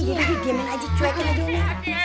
jadi dia main aja cuekin aja umi